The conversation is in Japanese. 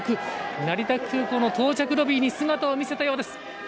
成田空港の到着ロビーに姿を見せたようです。